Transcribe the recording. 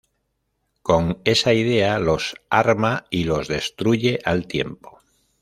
Con esa idea los arma y los destruye al tiempo.